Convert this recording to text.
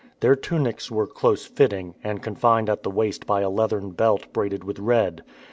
Their tunics were close fitting, and confined at the waist by a leathern belt braided with red.